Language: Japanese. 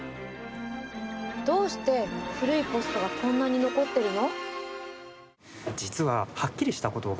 どうして古いポストがこんなに残ってるの？